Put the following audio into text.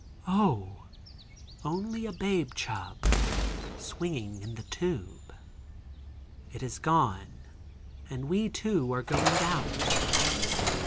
(Oh, only a babe chub swinging in the tube.) It is gone, and we too are going out.